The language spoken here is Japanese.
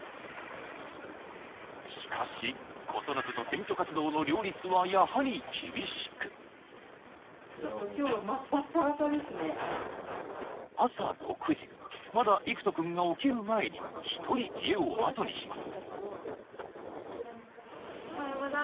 しかし、子育てと選挙活動の両立はやはり厳しく朝６時まだ行土君が起きる前に一人、家を後にします。